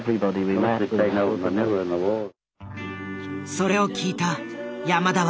それを聞いた山田は。